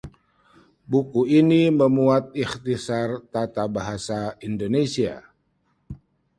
buku ini memuat ikhtisar tata bahasa Indonesia